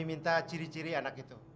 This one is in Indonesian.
minta ciri ciri anak itu